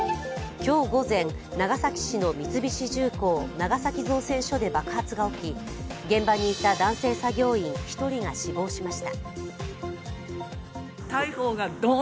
今日午前、長崎市の三菱重工長崎造船所で爆発が起き現場にいた男性作業員１人が死亡しました。